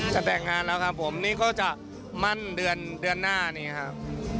จะแต่งงานแล้วครับผมนี่ก็จะมั่นเดือนเดือนหน้านี้ครับ